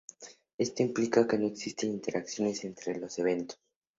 Esto implica que no existen interacciones entre los eventos.